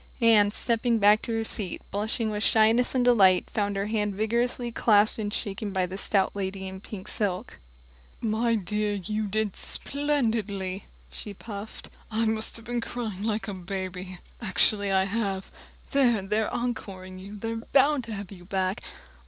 Anne, stepping back to her seat, blushing with shyness and delight, found her hand vigorously clasped and shaken by the stout lady in pink silk. "My dear, you did splendidly," she puffed. "I've been crying like a baby, actually I have. There, they're encoring you they're bound to have you back!"